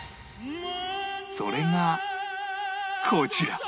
それがこちら